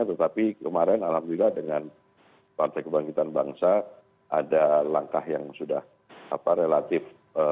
tetapi kemarin alhamdulillah dengan partai kebangkitan bangsa ada langkah yang sudah relatif